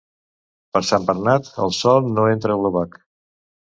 Per Sant Bernat, el sol no entra a l'obac.